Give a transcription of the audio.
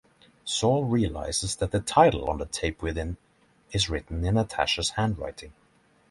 Saul realises the title on the tape within is written in Natasha's handwriting.